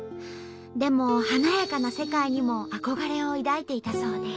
でも華やかな世界にも憧れを抱いていたそうで。